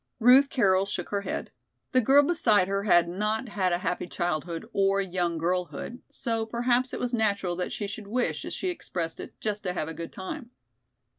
Ruth Carroll shook her head. The girl beside her had not had a happy childhood or young girlhood, so perhaps it was natural that she should wish, as she expressed it, "just to have a good time."